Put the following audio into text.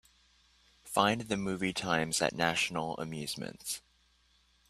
Find the movie times at National Amusements.